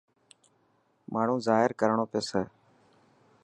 ماڻهو زاهر ڪرڻو پيسي.